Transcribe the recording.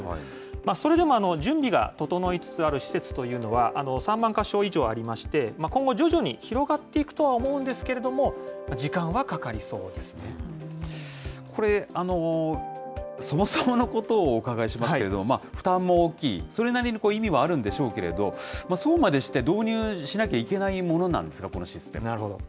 それでも準備が整いつつある施設というのは３万か所以上ありまして、今後、徐々に広がっていくとは思うんですけれども、時間はかこれ、そもそものことをお伺いしますけれども、負担も大きい、それなりに意味はあるんでしょうけれど、そうまでして、導入しなきゃいけないものなんですか、こなるほど。